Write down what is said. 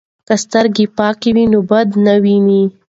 که سترګې پاکې وي نو بد نه ویني.